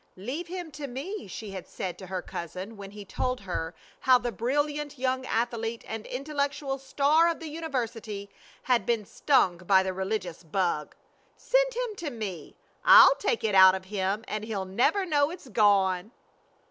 "Leave him to me," she had said to her cousin when he told her how the brilliant young athlete and intellectual star of the university had been stung by the religious bug. "Send him to me. I'll take it out of him and he'll never know it's gone."